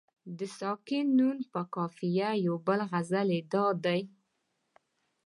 د ساکن نون په قافیه یو بل غزل یې دادی.